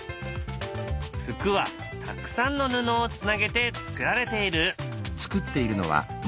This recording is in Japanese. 服はたくさんの布をつなげて作られている。